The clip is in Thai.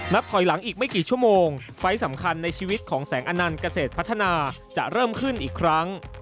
ถอยหลังอีกไม่กี่ชั่วโมงไฟล์สำคัญในชีวิตของแสงอนันต์เกษตรพัฒนาจะเริ่มขึ้นอีกครั้ง